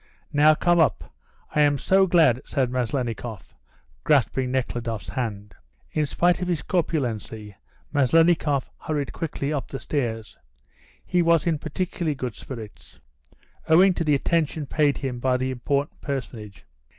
"Now, come up; I am so glad," said Maslennikoff, grasping Nekhludoff's hand. In spite of his corpulency Maslennikoff hurried quickly up the stairs. He was in particularly good spirits, owing to the attention paid him by the important personage.